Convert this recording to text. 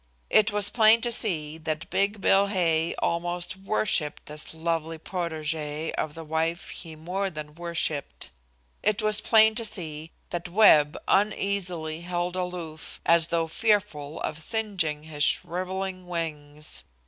It was plain to see that big Bill Hay almost worshipped this lovely protegée of the wife he more than worshipped. It was plain to see that Webb uneasily held aloof, as though fearful of singeing his shrivelling wings.